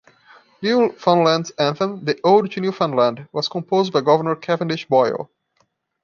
Newfoundland's anthem "The Ode to Newfoundland", was composed by Governor Cavendish Boyle.